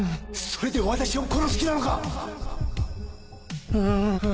それで私を殺す気なのか⁉うぅ。